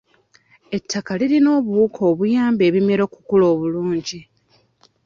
Ettaka lirina obuwuka obuyamba ebimera okukula obulungi.